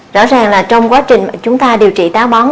rõ ràng là trong quá trình chúng ta điều trị táo bón